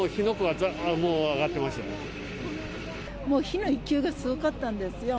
もう、火の勢いがすごかったんですよ。